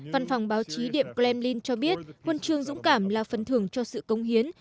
văn phòng báo chí điệm gremlin cho biết huân chương dũng cảm là phần thưởng cho sự công hiến